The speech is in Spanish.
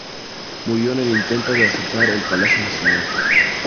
Murió en el intento de asaltar el Palacio Nacional.